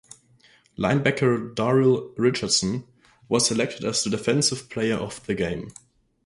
Linebacker Daryl Richardson was selected as the Defensive Player of the Game.